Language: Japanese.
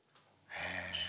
へえ。